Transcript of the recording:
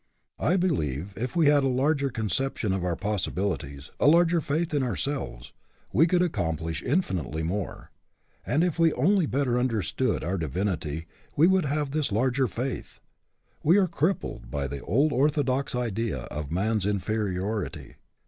I believe if we had a larger conception of our possibilities, a larger faith in ourselves, we could accomplish infinitely more. And if we only better understood our divinity we would have this larger faith. We are crip pled by the old orthodox idea of man's in feriority.